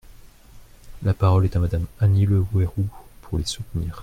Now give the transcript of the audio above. La parole est à Madame Annie Le Houerou, pour les soutenir.